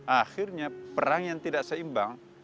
akhirnya perang yang tidak seimbang